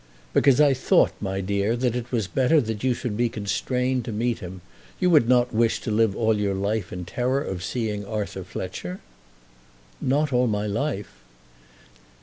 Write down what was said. "Because I thought, my dear, that it was better that you should be constrained to meet him. You would not wish to live all your life in terror of seeing Arthur Fletcher?" "Not all my life."